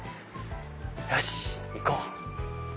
よし行こう！